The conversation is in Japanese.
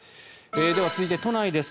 では、続いて都内です。